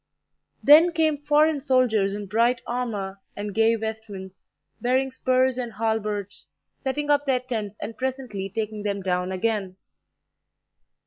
Then came foreign soldiers in bright armour and gay vestments, bearing spurs and halberds, setting up their tents, and presently taking them down again.